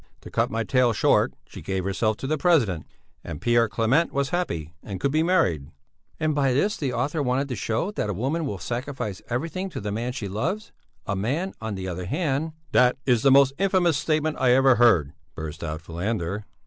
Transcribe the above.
To cut my tale short, she gave herself to the president, and Pierre Clément was happy and could be married." "And by this the author wanted to show that a woman will sacrifice everything to the man she loves a man, on the other hand...." "That is the most infamous statement I ever heard!" burst out Falander.